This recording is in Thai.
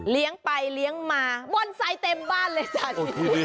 เลี้ยงไปเลี้ยงมาบอนไซค์เต็มบ้านเลยจ้ะ